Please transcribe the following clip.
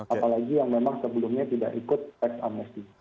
apalagi yang memang sebelumnya tidak ikut teks amnesty